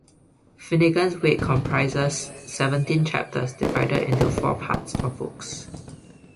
"Finnegans Wake" comprises seventeen chapters, divided into four Parts or Books.